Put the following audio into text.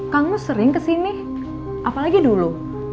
kang mus sering kesini apalagi dulu